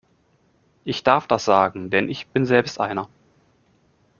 Ich darf das sagen, denn ich bin selbst einer!